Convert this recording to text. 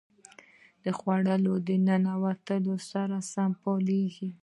د خوړو له ننوتلو سره سم فعالېږي.